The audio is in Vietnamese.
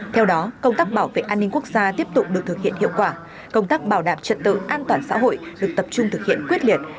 theo đó công tác bảo vệ an ninh quốc gia tiếp tục được thực hiện hiệu quả công tác bảo đảm trật tự an toàn xã hội được tập trung thực hiện quyết liệt